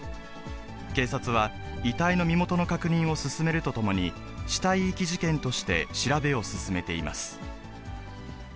警察は遺体の身元の確認を進めるとともに、死体遺棄事件として調べを進めています。